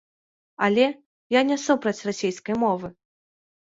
Але я не супраць расейскай мовы.